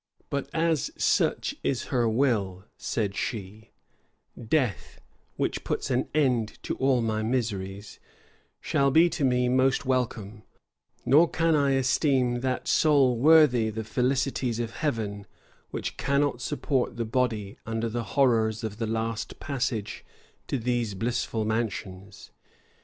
"But as such is her will," said she, "death, which puts an end to all my miseries, shall be to me most welcome; nor can I esteem that soul worthy the felicities of heaven, which cannot support the body under the horrors of the last passage to these blissful mansions."